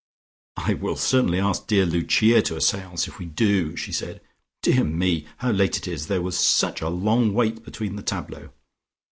"I will certainly ask dear Lucia to a seance, if we do," she said. "Dear me! How late it is: there was such a long wait between the tableaux.